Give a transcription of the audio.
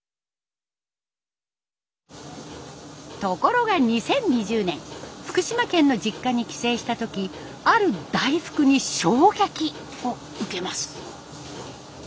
ところが２０２０年福島県の実家に帰省した時ある大福に衝撃を受けます。